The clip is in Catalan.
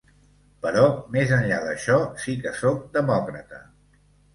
Però més enllà d’això, sí que sóc demòcrata.